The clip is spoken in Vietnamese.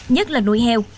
nhất là nuôi heo